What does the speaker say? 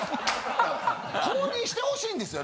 公認してほしいんですよ。